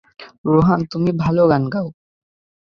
রোহান, তুমি ভালো গান গাও।